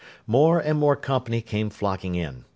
More and more company came flocking in.